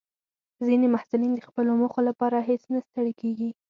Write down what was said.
ځینې محصلین د خپلو موخو لپاره هیڅ نه ستړي کېږي.